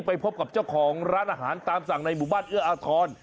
ไปพบกับเจ้าของร้านอาหารตามสั่งในหมู่บ้านเอื้ออาทร